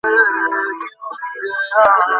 ভুলে যেও আমায়।